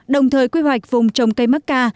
đồng thời quy hoạch vùng trồng cây macca